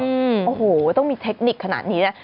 มาต้องมีเทคนิคขนาดนี้ด้วยนะ